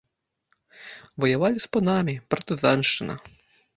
Ваявалі з панамі, партызаншчына.